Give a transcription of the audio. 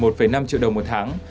một năm triệu đồng một tháng